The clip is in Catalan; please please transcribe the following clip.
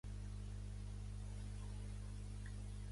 Es va destacar per les seves accions militars en Biscaia.